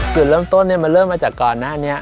จุดเริ่มต้นมันเริ่มมาจากก่อนหน้านี้